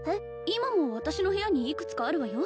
今も私の部屋にいくつかあるわよ